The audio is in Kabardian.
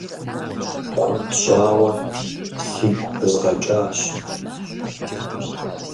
Куэд щӏауэ сигу пызгъэкӏащ.